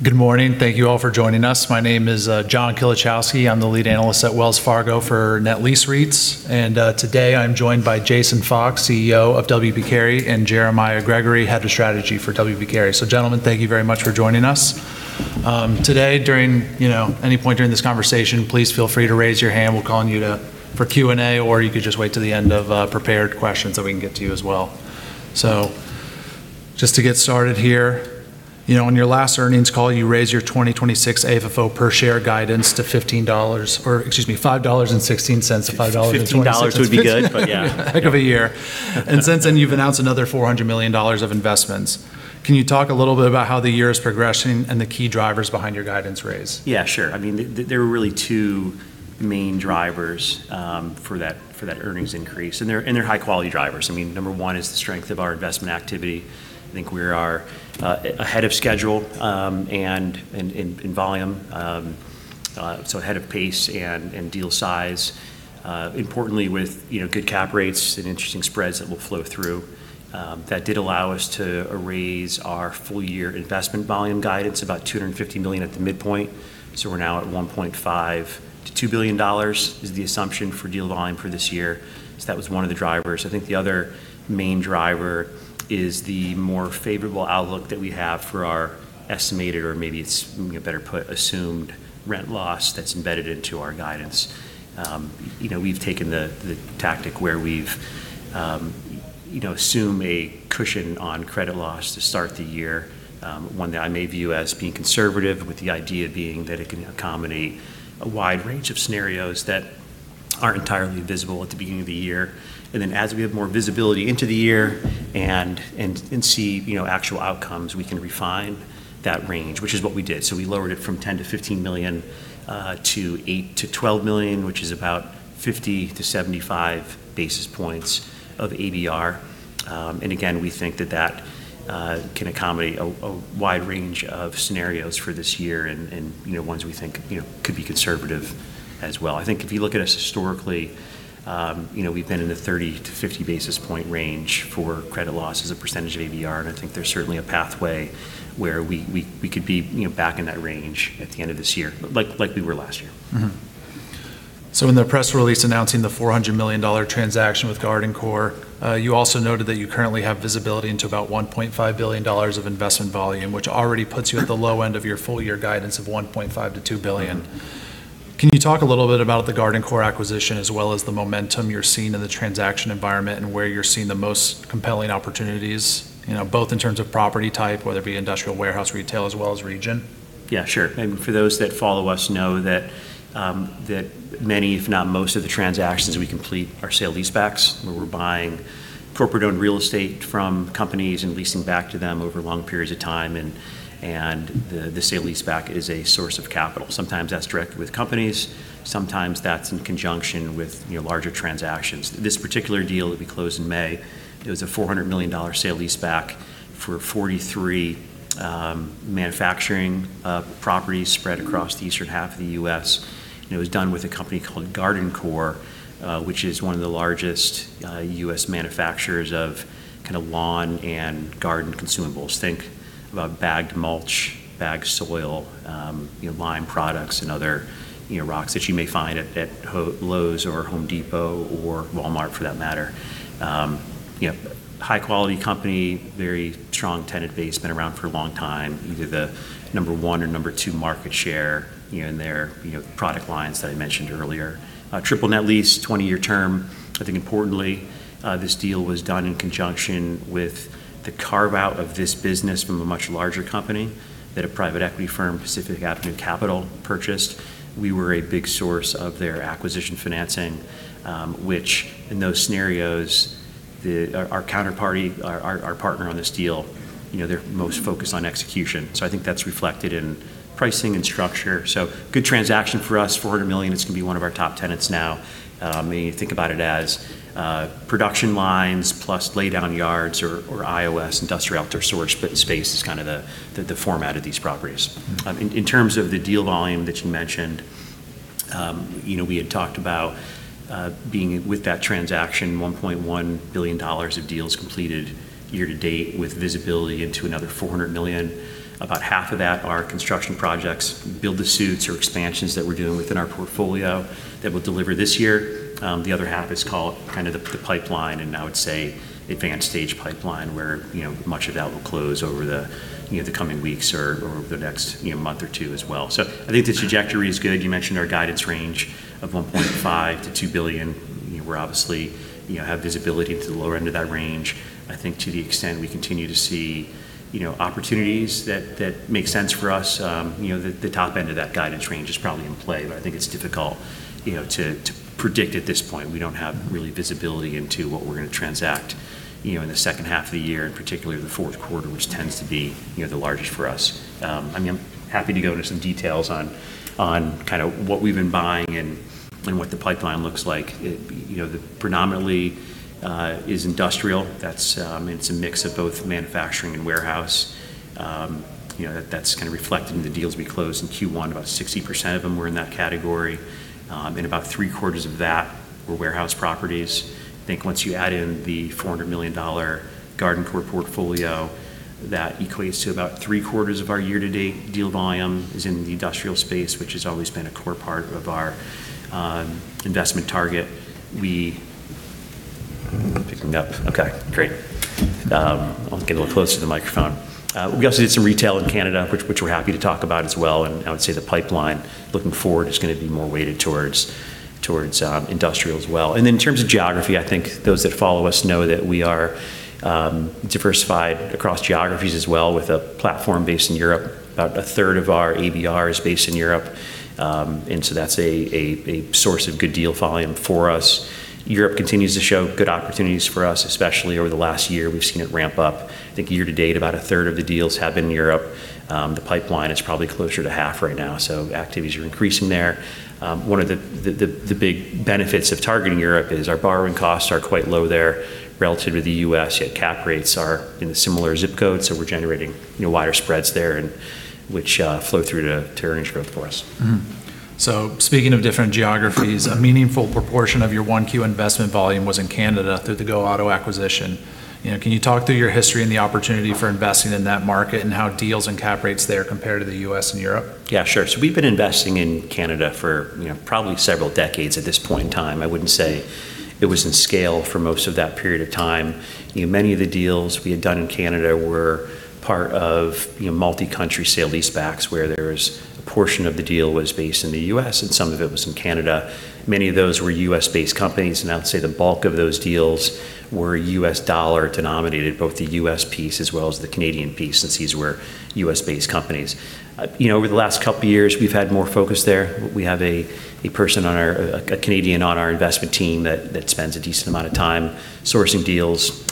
Good morning. Thank you all for joining us. My name is John Kilichowski. I'm the lead analyst at Wells Fargo for net lease REITs, and today I'm joined by Jason Fox, CEO of W. P. Carey, and Jeremiah Gregory, Head of Strategy for W. P. Carey. Gentlemen, thank you very much for joining us. Today, during any point during this conversation, please feel free to raise your hand. We'll call on you for Q&A, or you could just wait till the end of prepared questions, so we can get to you as well. Just to get started here. On your last earnings call, you raised your 2026 AFFO per share guidance to $15, or excuse me, $5.16 to $5.26. $15 would be good, but yeah. Heck of a year. Since then you've announced another $400 million of investments. Can you talk a little bit about how the year is progressing and the key drivers behind your guidance raise? Yeah, sure. There were really two main drivers for that earnings increase, and they're high-quality drivers. Number one is the strength of our investment activity. I think we are ahead of schedule in volume. Ahead of pace and deal size. Importantly with good cap rates and interesting spreads that will flow through. That did allow us to raise our full-year investment volume guidance about $250 million at the midpoint, so we're now at $1.5 billion to $2 billion is the assumption for deal volume for this year. That was one of the drivers. I think the other main driver is the more favorable outlook that we have for our estimated, or maybe it's better put, assumed rent loss that's embedded into our guidance. We've taken the tactic where we've assumed a cushion on credit loss to start the year, one that I may view as being conservative, with the idea being that it can accommodate a wide range of scenarios that aren't entirely visible at the beginning of the year. As we have more visibility into the year and see actual outcomes, we can refine that range, which is what we did. We lowered it from $10 million-$15 million, to $8 million-$12 million, which is about 50 basis points-75 basis points of ABR. Again, we think that that can accommodate a wide range of scenarios for this year and ones we think could be conservative as well. I think if you look at us historically, we've been in the 30 basis points-50 basis point range for credit loss as a percentage of ABR, and I think there's certainly a pathway where we could be back in that range at the end of this year, like we were last year. Mm-hmm. In the press release announcing the $400 million transaction with GardenCore, you also noted that you currently have visibility into about $1.5 billion of investment volume, which already puts you at the low end of your full year guidance of $1.5 billion to $2 billion. Can you talk a little bit about the GardenCore acquisition, as well as the momentum you're seeing in the transaction environment, and where you're seeing the most compelling opportunities, both in terms of property type, whether it be industrial, warehouse, retail, as well as region? Yeah, sure. For those that follow us know that many, if not most of the transactions we complete are sale-leasebacks, where we're buying corporate-owned real estate from companies and leasing back to them over long periods of time. The sale-leaseback is a source of capital. Sometimes that's direct with companies, sometimes that's in conjunction with larger transactions. This particular deal that we closed in May, it was a $400 million sale-leaseback for 43 manufacturing properties spread across the eastern half of the U.S. It was done with a company called GardenCore, which is one of the largest U.S. manufacturers of lawn and garden consumables. Think of bagged mulch, bagged soil, lime products and other rocks that you may find at Lowe's or Home Depot or Walmart for that matter. High-quality company, very strong tenant base, been around for a long time. Either the number one or number two market share in their product lines that I mentioned earlier. triple net lease, 20-year term. I think importantly, this deal was done in conjunction with the carve-out of this business from a much larger company that a private equity firm, Pacific Avenue Capital, purchased. We were a big source of their acquisition financing. Which in those scenarios, our counterparty, our partner on this deal, they're most focused on execution. I think that's reflected in pricing and structure. Good transaction for us. $400 million, it's going to be one of our top tenants now. May think about it as production lines plus laydown yards or IOS, industrial outdoor storage space, is kind of the format of these properties. In terms of the deal volume that you mentioned. We had talked about being, with that transaction, $1.1 billion of deals completed year to date, with visibility into another $400 million. About half of that are construction projects, build-to-suits or expansions that we're doing within our portfolio that we'll deliver this year. The other half is called the pipeline, and now it's a advanced stage pipeline where much of that will close over the coming weeks or over the next month or two as well. I think the trajectory is good. You mentioned our guidance range of $1.5 billion-$2 billion. We obviously have visibility to the lower end of that range. I think to the extent we continue to see opportunities that make sense for us, the top end of that guidance range is probably in play, but I think it's difficult to predict at this point. We don't have really visibility into what we're going to transact in the second half of the year, and particularly the fourth quarter, which tends to be the largest for us. I'm happy to go into some details on what we've been buying and what the pipeline looks like. Predominantly is industrial. It's a mix of both manufacturing and warehouse. That's kind of reflected in the deals we closed in Q1. About 60% of them were in that category. About three-quarters of that were warehouse properties. I think once you add in the $400 million GardenCore portfolio, that equates to about three-quarters of our year-to-date deal volume is in the industrial space, which has always been a core part of our investment target. Picking up. Okay, great. I'll get a little closer to the microphone. We obviously did some retail in Canada, which we're happy to talk about as well. I would say the pipeline looking forward is going to be more weighted towards industrial as well. In terms of geography, I think those that follow us know that we are diversified across geographies as well, with a platform based in Europe. About a third of our ABR is based in Europe. That's a source of good deal volume for us. Europe continues to show good opportunities for us, especially over the last year, we've seen it ramp up. I think year to date, about a third of the deals have been in Europe. The pipeline is probably closer to half right now, activities are increasing there. One of the big benefits of targeting Europe is our borrowing costs are quite low there relative to the U.S., yet cap rates are in similar zip codes, so we're generating wider spreads there, which flow through to earnings growth for us. Speaking of different geographies, a meaningful proportion of your 1Q investment volume was in Canada through the Go Auto acquisition. Can you talk through your history and the opportunity for investing in that market, and how deals and cap rates there compare to the U.S. and Europe? Yeah, sure. We've been investing in Canada for probably several decades at this point in time. I wouldn't say it was in scale for most of that period of time. Many of the deals we had done in Canada were part of multi-country sale-leasebacks where there was a portion of the deal was based in the U.S. and some of it was in Canada. Many of those were U.S.-based companies, and I would say the bulk of those deals were U.S. dollar denominated, both the U.S. piece as well as the Canadian piece, since these were U.S.-based companies. Over the last couple of years, we've had more focus there. We have a Canadian on our investment team that spends a decent amount of time sourcing deals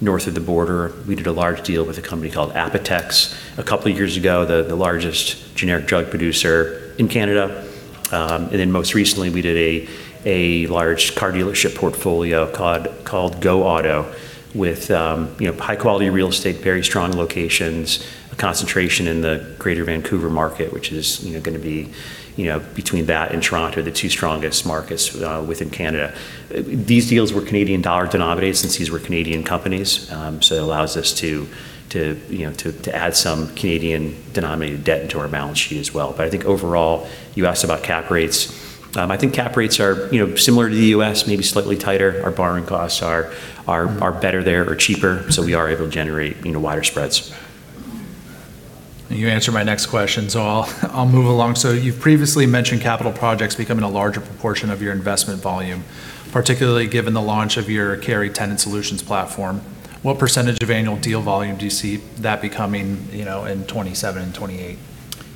north of the border. We did a large deal with a company called Apotex a couple of years ago, the largest generic drug producer in Canada. Most recently, we did a large car dealership portfolio called Go Auto with high-quality real estate, very strong locations, a concentration in the greater Vancouver market, which is going to be, between that and Toronto, the two strongest markets within Canada. These deals were CAD denominated since these were Canadian companies. It allows us to add some CAD-denominated debt into our balance sheet as well. I think overall, you asked about cap rates. I think cap rates are similar to the U.S., maybe slightly tighter. Our borrowing costs are better there or cheaper, so we are able to generate wider spreads. You answered my next question, so I'll move along. You've previously mentioned capital projects becoming a larger proportion of your investment volume, particularly given the launch of your Carey Tenant Solutions platform. What percentage of annual deal volume do you see that becoming in 2027-2028?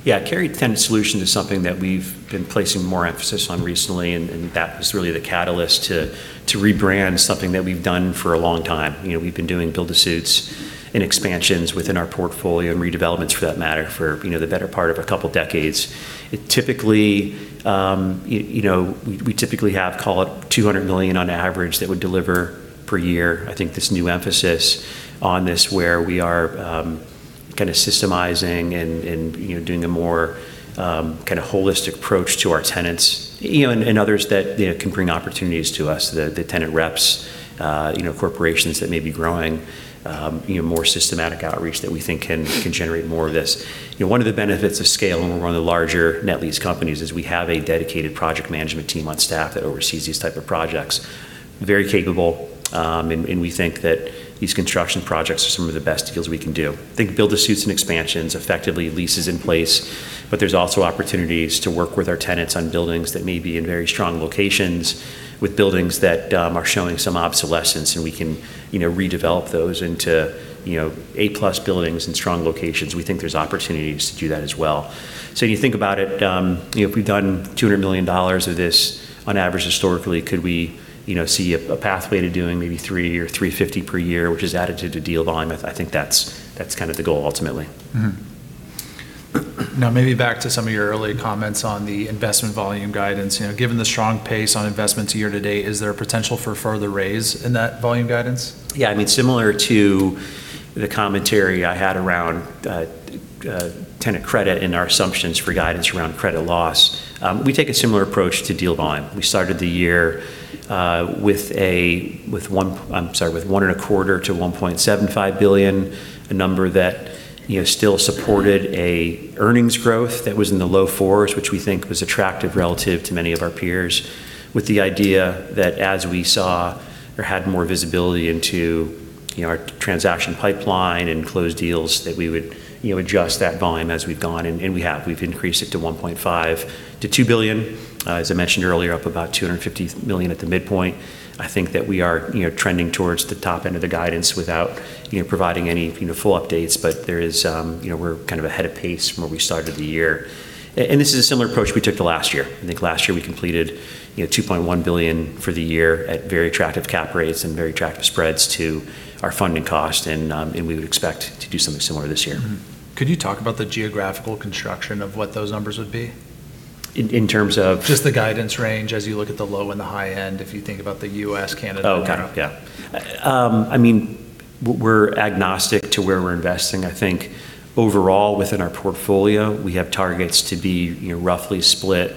Yeah. Carey Tenant Solutions is something that we've been placing more emphasis on recently, and that was really the catalyst to rebrand something that we've done for a long time. We've been doing build-to-suit and expansions within our portfolio, and redevelopments for that matter, for the better part of a couple of decades. We typically have call it $200 million on average that would deliver per year. I think this new emphasis on this where we are kind of systemizing and doing a more holistic approach to our tenants and others that can bring opportunities to us, the tenant reps, corporations that may be growing, more systematic outreach that we think can generate more of this. One of the benefits of scale, and we're one of the larger net lease companies, is we have a dedicated project management team on staff that oversees these type of projects. Very capable. We think that these construction projects are some of the best deals we can do. Think build-to-suit and expansions, effectively leases in place. There's also opportunities to work with our tenants on buildings that may be in very strong locations with buildings that are showing some obsolescence, and we can redevelop those into A+ buildings in strong locations. We think there's opportunities to do that as well. You think about it, if we've done $200 million of this on average historically, could we see a pathway to doing maybe $300 million or $350 million per year, which is added to the deal volume? I think that's kind of the goal ultimately. Maybe back to some of your earlier comments on the investment volume guidance. Given the strong pace on investments year to date, is there potential for further raise in that volume guidance? Similar to the commentary I had around tenant credit and our assumptions for guidance around credit loss, we take a similar approach to deal volume. We started the year with $1.25 billion-$1.75 billion, a number that still supported an earnings growth that was in the low four's, which we think was attractive relative to many of our peers with the idea that as we saw or had more visibility into our transaction pipeline and closed deals, that we would adjust that volume as we've gone. We have. We've increased it to $1.5 billion to $2 billion. As I mentioned earlier, up about $250 million at the midpoint. I think that we are trending towards the top end of the guidance without providing any full updates. We're kind of ahead of pace from where we started the year. This is a similar approach we took to last year. I think last year we completed $2.1 billion for the year at very attractive cap rates and very attractive spreads to our funding cost, and we would expect to do something similar this year. Mm-hmm. Could you talk about the geographical construction of what those numbers would be? In terms of? Just the guidance range as you look at the low and the high end, if you think about the U.S., Canada. Okay. Yeah. I mean, we're agnostic to where we're investing. I think overall within our portfolio, we have targets to be roughly split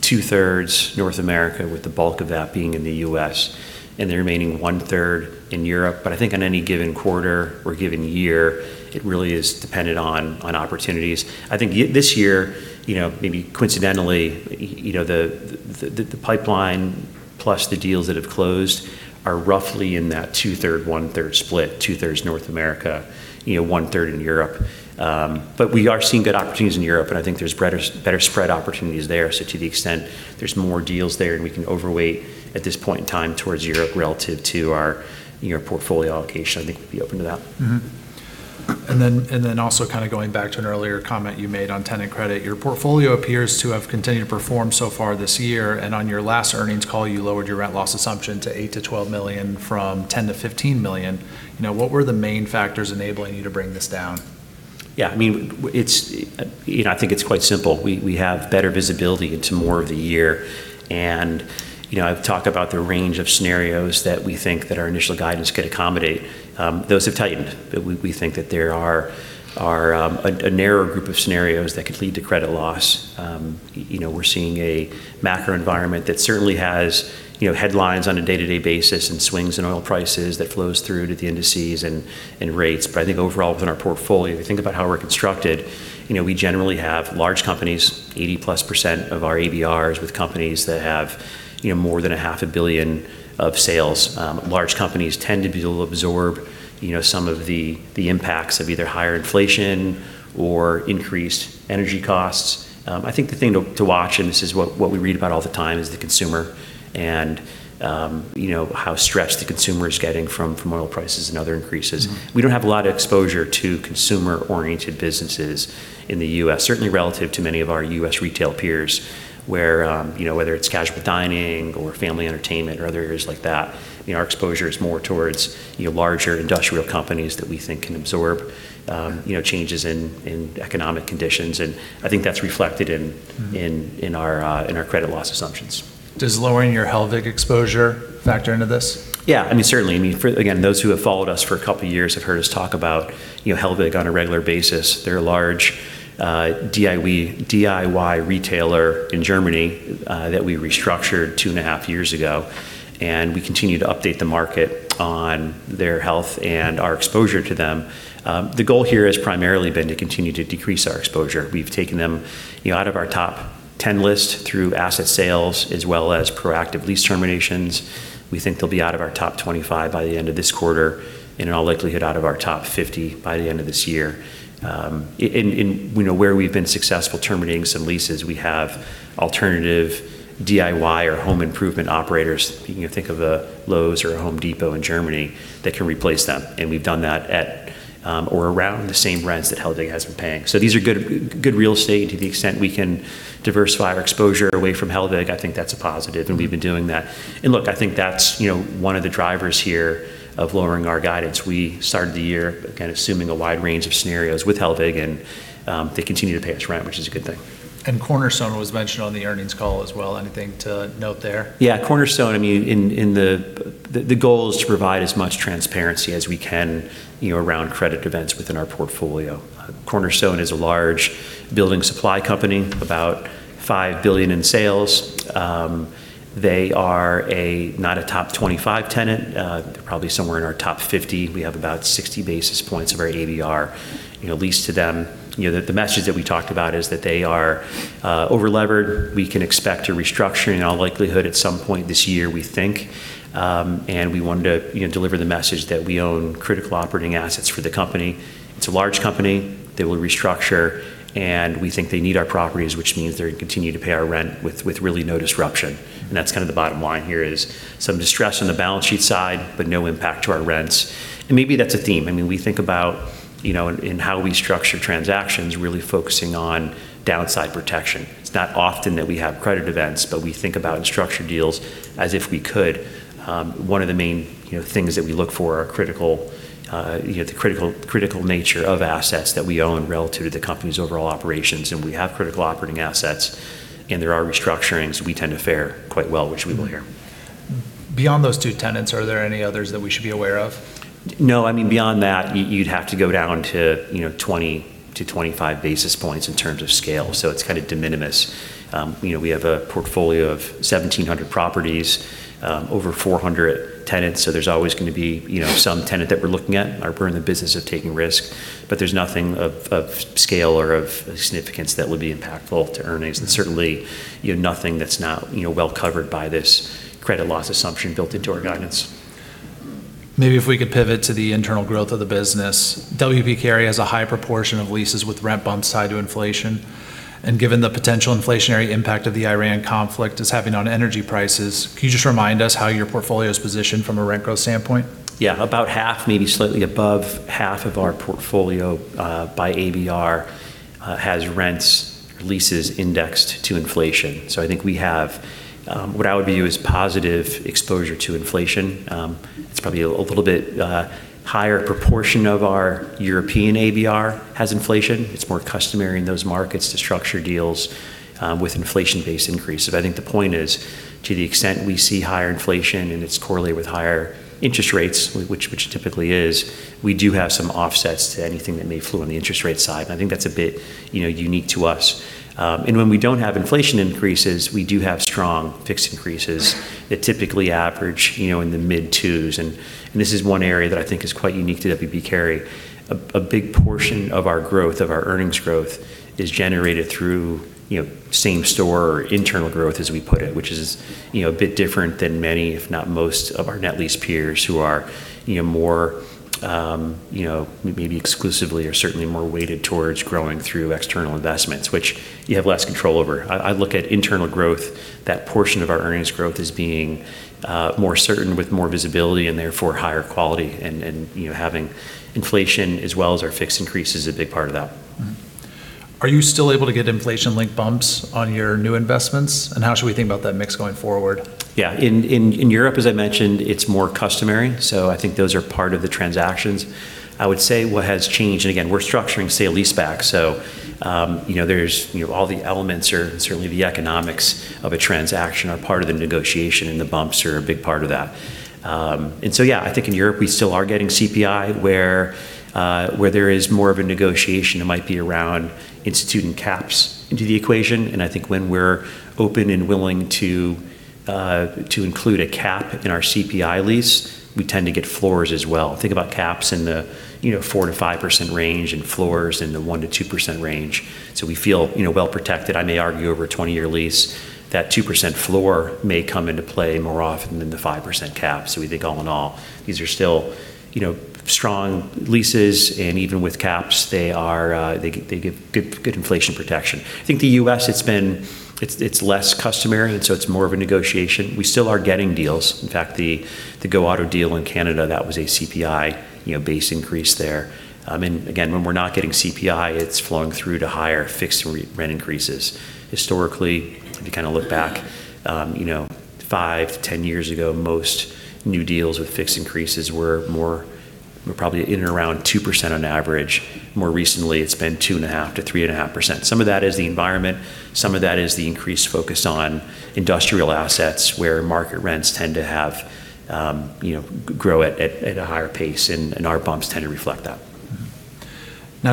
two-thirds North America, with the bulk of that being in the U.S., and the remaining one-third in Europe. I think on any given quarter or given year, it really is dependent on opportunities. I think this year, maybe coincidentally, the pipeline plus the deals that have closed are roughly in that two-third, one-third split, two-thirds North America, one-third in Europe. We are seeing good opportunities in Europe, and I think there's better spread opportunities there. To the extent there's more deals there and we can overweight at this point in time towards Europe relative to our portfolio allocation, I think we'd be open to that. Also going back to an earlier comment you made on tenant credit, your portfolio appears to have continued to perform so far this year, and on your last earnings call, you lowered your rent loss assumption to $8 million-$12 million from $10 million-$15 million. What were the main factors enabling you to bring this down? Yeah. I think it's quite simple. We have better visibility into more of the year, and I've talked about the range of scenarios that we think that our initial guidance could accommodate. Those have tightened. We think that there are a narrower group of scenarios that could lead to credit loss. We're seeing a macro environment that certainly has headlines on a day-to-day basis and swings in oil prices that flows through to the indices and rates. I think overall within our portfolio, if you think about how we're constructed, we generally have large companies, 80+% of our ABRs with companies that have more than a half a billion of sales. Large companies tend to be able to absorb some of the impacts of either higher inflation or increased energy costs. I think the thing to watch, and this is what we read about all the time, is the consumer and how stressed the consumer is getting from oil prices and other increases. We don't have a lot of exposure to consumer-oriented businesses in the U.S., certainly relative to many of our U.S. retail peers where, whether it's casual dining or family entertainment or other areas like that, our exposure is more towards larger industrial companies that we think can absorb changes in economic conditions, and I think that's reflected in our credit loss assumptions. Does lowering your Hellweg exposure factor into this? Yeah. Certainly. Again, those who have followed us for a couple of years have heard us talk about Hellweg on a regular basis. They're a large DIY retailer in Germany that we restructured 2.5 years ago. We continue to update the market on their health and our exposure to them. The goal here has primarily been to continue to decrease our exposure. We've taken them out of our top 10 list through asset sales as well as proactive lease terminations. We think they'll be out of our top 25 by the end of this quarter and in all likelihood out of our top 50 by the end of this year. Where we've been successful terminating some leases, we have alternative DIY or home improvement operators. You can think of a Lowe's or a Home Depot in Germany that can replace them. We've done that at or around the same rents that Hellweg has been paying. These are good real estate. To the extent we can diversify our exposure away from Hellweg, I think that's a positive, and we've been doing that. Look, I think that's one of the drivers here of lowering our guidance. We started the year kind of assuming a wide range of scenarios with Hellweg, and they continue to pay us rent, which is a good thing. Cornerstone was mentioned on the earnings call as well. Anything to note there? Yeah. Cornerstone. The goal is to provide as much transparency as we can around credit events within our portfolio. Cornerstone is a large building supply company, about $5 billion in sales. They are not a top 25 tenant. They're probably somewhere in our top 50. We have about 60 basis points of our ABR leased to them. The message that we talked about is that they are over-levered. We can expect a restructure in all likelihood at some point this year, we think. We wanted to deliver the message that we own critical operating assets for the company. It's a large company. They will restructure, and we think they need our properties, which means they're going to continue to pay our rent with really no disruption. That's kind of the bottom line here is some distress on the balance sheet side, but no impact to our rents. Maybe that's a theme. We think about in how we structure transactions, really focusing on downside protection. It's not often that we have credit events, but we think about and structure deals as if we could. One of the main things that we look for are the critical nature of assets that we own relative to the company's overall operations, and we have critical operating assets, and there are restructurings. We tend to fare quite well, which we will here. Beyond those two tenants, are there any others that we should be aware of? No. Beyond that, you'd have to go down to 20 basis points to 25 basis points in terms of scale. It's kind of de minimis. We have a portfolio of 1,700 properties, over 400 tenants, so there's always going to be some tenant that we're looking at. We're in the business of taking risks, but there's nothing of scale or of significance that would be impactful to earnings. Certainly, nothing that's not well covered by this credit loss assumption built into our guidance. Maybe if we could pivot to the internal growth of the business. W. P. Carey has a high proportion of leases with rent bumps tied to inflation. Given the potential inflationary impact of the Iran conflict is having on energy prices, can you just remind us how your portfolio is positioned from a rent growth standpoint? About half, maybe slightly above half of our portfolio, by ABR, has rents leases indexed to inflation. I think we have what I would view as positive exposure to inflation. It's probably a little bit higher proportion of our European ABR has inflation. It's more customary in those markets to structure deals with inflation-based increases. I think the point is, to the extent we see higher inflation and it's correlated with higher interest rates, which it typically is, we do have some offsets to anything that may flow on the interest rate side, I think that's a bit unique to us. When we don't have inflation increases, we do have strong fixed increases that typically average in the mid-two's. This is one area that I think is quite unique to W. P. Carey. A big portion of our growth, of our earnings growth, is generated through same store or internal growth, as we put it, which is a bit different than many, if not most, of our net lease peers who are maybe exclusively or certainly more weighted towards growing through external investments, which you have less control over. I look at internal growth, that portion of our earnings growth as being more certain with more visibility and therefore higher quality. Having inflation as well as our fixed increase is a big part of that. Are you still able to get inflation-linked bumps on your new investments? How should we think about that mix going forward? In Europe, as I mentioned, it's more customary, so I think those are part of the transactions. I would say what has changed, and again, we're structuring sale-leaseback, so all the elements are certainly the economics of a transaction are part of the negotiation, and the bumps are a big part of that. I think in Europe, we still are getting CPI where there is more of a negotiation, it might be around instituting caps into the equation. I think when we're open and willing to include a cap in our CPI lease, we tend to get floors as well. Think about caps in the 4%-5% range and floors in the 1%-2% range. We feel well-protected. I may argue over a 20-year lease that 2% floor may come into play more often than the 5% cap. We think all in all, these are still strong leases, and even with caps, they give good inflation protection. I think the U.S., it's less customary, it's more of a negotiation. We still are getting deals. In fact, the Go Auto deal in Canada, that was a CPI base increase there. Again, when we're not getting CPI, it's flowing through to higher fixed rent increases. Historically, if you look back 5 years to 10 years ago, most new deals with fixed increases were probably in and around 2% on average. More recently, it's been 2.5%-3.5%. Some of that is the environment, some of that is the increased focus on industrial assets where market rents tend to grow at a higher pace, and our bumps tend to reflect that.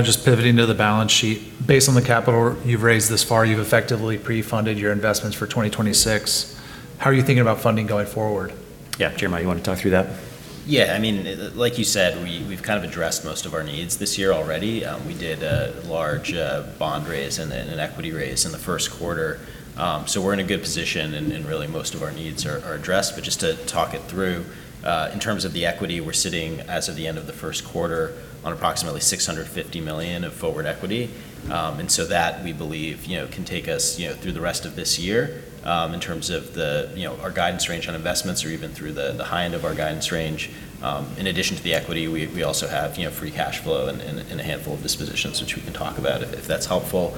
Just pivoting to the balance sheet. Based on the capital you've raised this far, you've effectively pre-funded your investments for 2026. How are you thinking about funding going forward? Yeah. Jeremiah, you want to talk through that? Yeah. Like you said, we've kind of addressed most of our needs this year already. We did a large bond raise and an equity raise in the first quarter. We're in a good position, and really most of our needs are addressed. Just to talk it through, in terms of the equity, we're sitting as of the end of the first quarter on approximately $650 million of forward equity. That we believe can take us through the rest of this year in terms of our guidance range on investments or even through the high end of our guidance range. In addition to the equity, we also have free cash flow and a handful of dispositions, which we can talk about if that's helpful.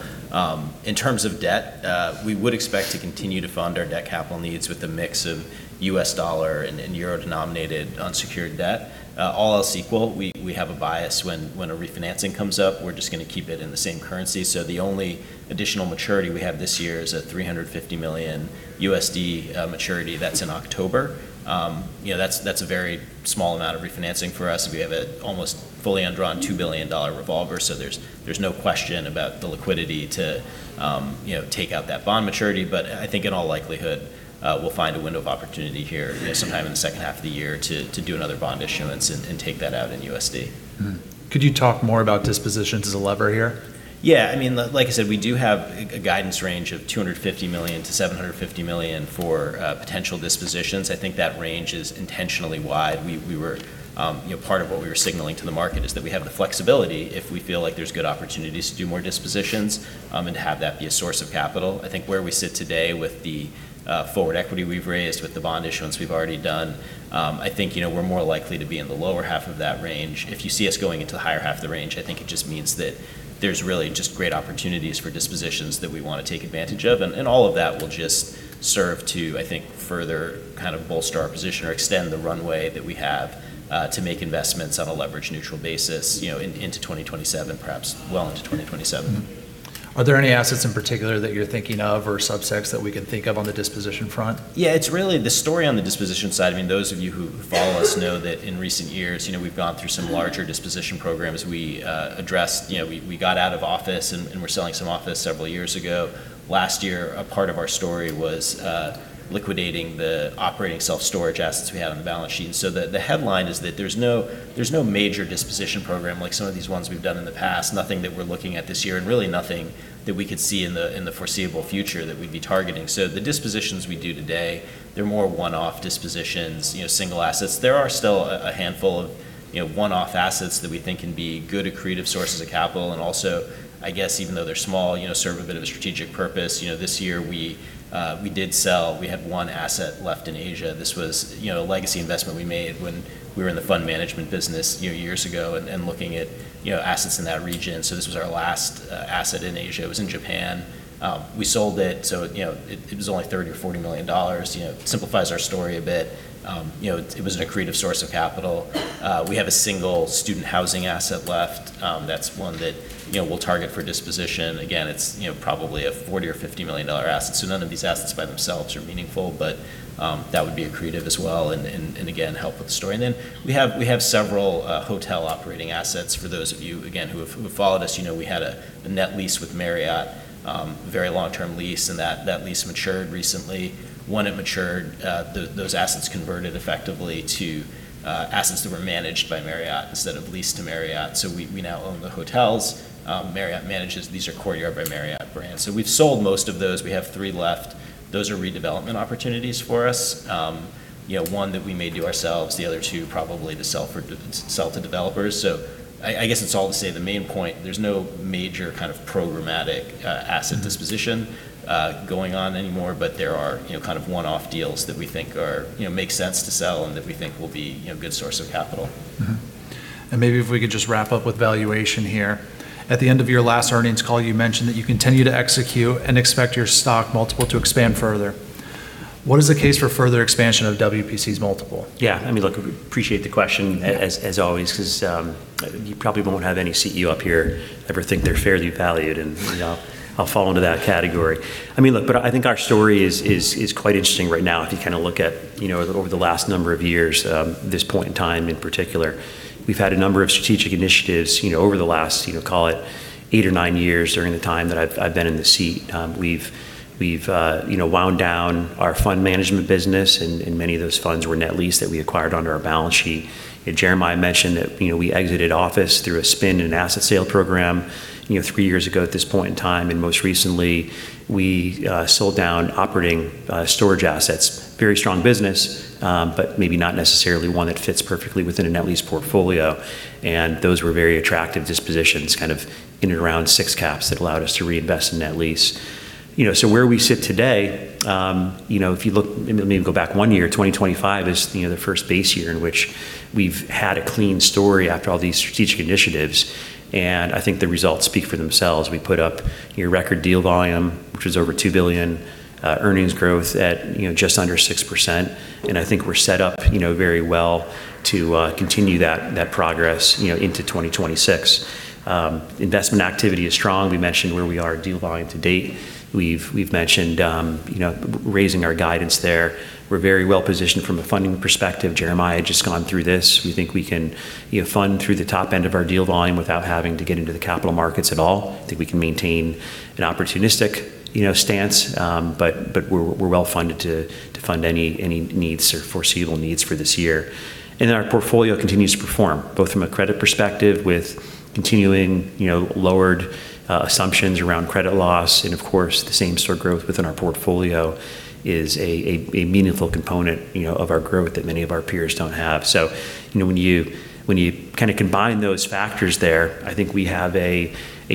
In terms of debt, we would expect to continue to fund our debt capital needs with a mix of U.S. dollar and euro-denominated unsecured debt. All else equal, we have a bias when a refinancing comes up, we're just going to keep it in the same currency. The only additional maturity we have this year is a $350 million maturity that's in October. That's a very small amount of refinancing for us. We have an almost fully undrawn $2 billion revolver, so there's no question about the liquidity to take out that bond maturity. I think in all likelihood, we'll find a window of opportunity here sometime in the second half of the year to do another bond issuance and take that out in USD. Mm-hmm. Could you talk more about dispositions as a lever here? Yeah. Like I said, we do have a guidance range of $250 million-$750 million for potential dispositions. I think that range is intentionally wide. Part of what we were signaling to the market is that we have the flexibility if we feel like there's good opportunities to do more dispositions and to have that be a source of capital. I think where we sit today with the forward equity we've raised, with the bond issuance we've already done, I think we're more likely to be in the lower half of that range. If you see us going into the higher half of the range, I think it just means that there's really just great opportunities for dispositions that we want to take advantage of, and all of that will just serve to, I think, further kind of bolster our position or extend the runway that we have to make investments on a leverage-neutral basis into 2027, perhaps well into 2027. Are there any assets in particular that you're thinking of or subsets that we can think of on the disposition front? Yeah. The story on the disposition side, those of you who follow us know that in recent years, we've gone through some larger disposition programs. We got out of office and we're selling some office several years ago. Last year, a part of our story was liquidating the operating self-storage assets we had on the balance sheet. The headline is that there's no major disposition program like some of these ones we've done in the past, nothing that we're looking at this year, and really nothing that we could see in the foreseeable future that we'd be targeting. The dispositions we do today, they're more one-off dispositions, single assets. There are still a handful of one-off assets that we think can be good accretive sources of capital and also, I guess even though they're small, serve a bit of a strategic purpose. This year, we did sell, we had one asset left in Asia. This was a legacy investment we made when we were in the fund management business years ago and looking at assets in that region. This was our last asset in Asia. It was in Japan. We sold it. It was only $30 million or $40 million. It simplifies our story a bit. It was an accretive source of capital. We have a single student housing asset left. That's one that we'll target for disposition. Again, it's probably a $40 million or $50 million asset. None of these assets by themselves are meaningful, but that would be accretive as well and, again, help with the story. We have several hotel operating assets. For those of you, again, who have followed us, you know we had a net lease with Marriott, a very long-term lease, and that lease matured recently. When it matured, those assets converted effectively to assets that were managed by Marriott instead of leased to Marriott. We now own the hotels Marriott manages. These are Courtyard by Marriott brands. We've sold most of those. We have three left. Those are redevelopment opportunities for us. One that we may do ourselves, the other two probably to sell to developers. I guess it's all to say the main point, there's no major kind of programmatic asset disposition going on anymore, but there are one-off deals that we think make sense to sell and that we think will be a good source of capital. Maybe if we could just wrap up with valuation here. At the end of your last earnings call, you mentioned that you continue to execute and expect your stock multiple to expand further. What is the case for further expansion of WPC's multiple? Yeah. Look, we appreciate the question as always because you probably won't have any CEO up here ever think they're fairly valued, and I'll fall into that category. Look, I think our story is quite interesting right now if you look at over the last number of years, this point in time in particular. We've had a number of strategic initiatives over the last, call it eight or nine years during the time that I've been in the seat. We've wound down our fund management business, and many of those funds were net leased that we acquired under our balance sheet. As Jeremiah mentioned that we exited office through a spin and an asset sale program 3 years ago at this point in time. Most recently, we sold down operating storage assets. Very strong business, but maybe not necessarily one that fits perfectly within a net lease portfolio. Those were very attractive dispositions kind of in and around six caps that allowed us to reinvest in net lease. Where we sit today, if you look, maybe go back one year, 2025 is the first base year in which we've had a clean story after all these strategic initiatives, and I think the results speak for themselves. We put up a record deal volume, which was over $2 billion, earnings growth at just under 6%. I think we're set up very well to continue that progress into 2026. Investment activity is strong. We mentioned where we are deal volume to date. We've mentioned raising our guidance there. We're very well-positioned from a funding perspective. Jeremiah had just gone through this. We think we can fund through the top end of our deal volume without having to get into the capital markets at all. I think we can maintain an opportunistic stance. We're well-funded to fund any needs or foreseeable needs for this year. Our portfolio continues to perform, both from a credit perspective with continuing lowered assumptions around credit loss and, of course, the same sort of growth within our portfolio is a meaningful component of our growth that many of our peers don't have. When you kind of combine those factors there, I think we have a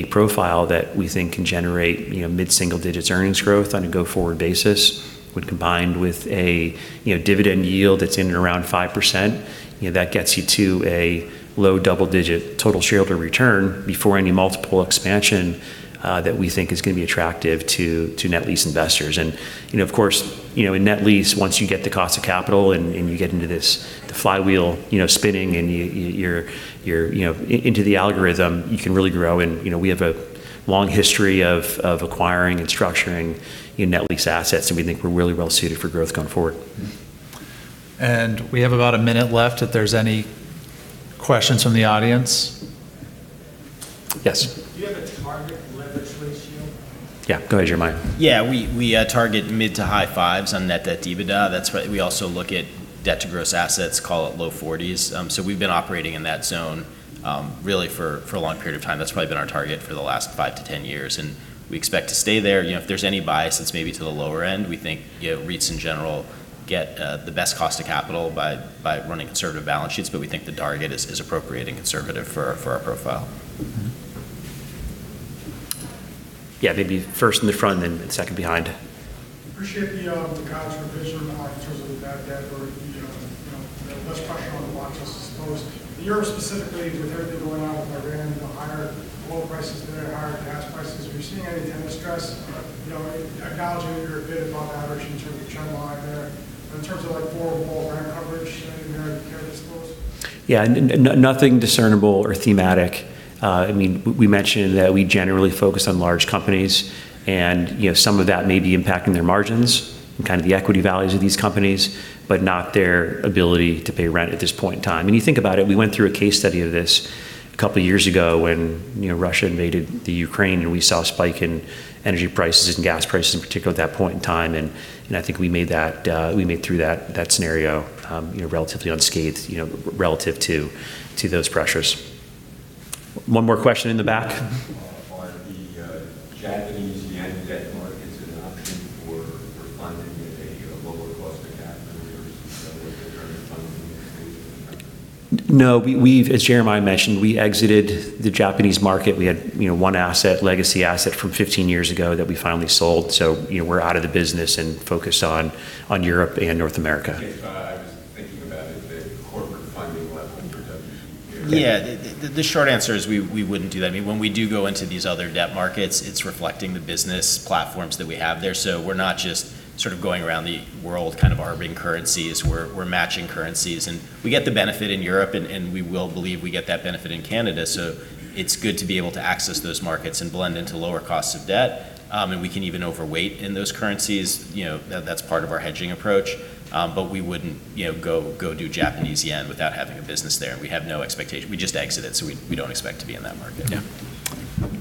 profile that we think can generate mid-single-digit earnings growth on a go-forward basis. When combined with a dividend yield that's in and around 5%, that gets you to a low double-digit total shareholder return before any multiple expansion that we think is going to be attractive to net lease investors. Of course, in net lease, once you get the cost of capital and you get into this flywheel spinning and you're into the algorithm, you can really grow. We have a long history of acquiring and structuring net lease assets, and we think we're really well-suited for growth going forward. We have about a minute left if there's any questions from the audience. Yes. Do you have a target leverage ratio? Go ahead, Jeremiah. We target mid to high fives on net debt to EBITDA. We also look at debt to gross assets, call it low 40s. We've been operating in that zone really for a long period of time. That's probably been our target for the last five to 10 years, and we expect to stay there. If there's any bias, it's maybe to the lower end. We think REITs in general get the best cost of capital by running conservative balance sheets, but we think the target is appropriately conservative for our profile. Maybe first in the front, then second behind. Appreciate the guidance revision in the market in terms of the bad debt or less pressure on the blocks, I suppose. Europe specifically, with everything going on with Iran, the higher oil prices there, higher gas prices. Are you seeing any tenant stress? Acknowledging that you're a bit above average in terms of general out there, but in terms of like forward multiple rent coverage in Europe, care to disclose? Yeah. Nothing discernible or thematic. We mentioned that we generally focus on large companies, some of that may be impacting their margins and kind of the equity values of these companies, but not their ability to pay rent at this point in time. You think about it, we went through a case study of this a couple of years ago when Russia invaded Ukraine, and we saw a spike in energy prices and gas prices in particular at that point in time. I think we made it through that scenario relatively unscathed, relative to those pressures. One more question in the back. Are the Japanese yen debt markets an option for funding at a lower cost of capital versus some other alternative funding solutions? No. As Jeremiah mentioned, we exited the Japanese market. We had one asset, legacy asset from 15 years ago that we finally sold. We're out of the business and focused on Europe and North America. Okay. I was thinking about if the corporate funding lever W. P. Carey. Yeah. The short answer is we wouldn't do that. When we do go into these other debt markets, it's reflecting the business platforms that we have there. We're not just sort of going around the world kind of borrowing currencies. We're matching currencies. We get the benefit in Europe, and we will believe we get that benefit in Canada. It's good to be able to access those markets and blend into lower costs of debt. We can even overweight in those currencies. That's part of our hedging approach. We wouldn't go do Japanese yen without having a business there. We have no expectation. We just exited, so we don't expect to be in that market. Yeah.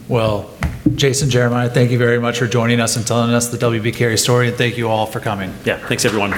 Well, Jason, Jeremiah, thank you very much for joining us and telling us the W. P. Carey story, and thank you all for coming. Yeah. Thanks, everyone.